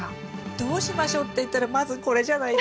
どうしましょうっていったらまずこれじゃないですか？